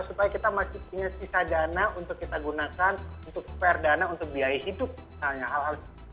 supaya kita masih punya sisa dana untuk kita gunakan untuk sware dana untuk biaya hidup misalnya